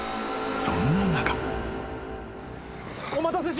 ［そんな中］